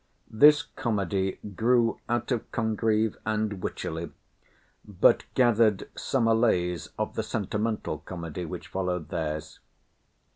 This comedy grew out of Congreve and Wycherley, but gathered some allays of the sentimental comedy which followed theirs.